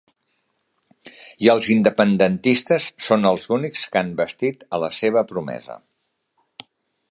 I els independentistes són els únics que han vestit la seva promesa.